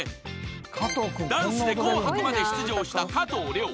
［ダンスで『紅白』まで出場した］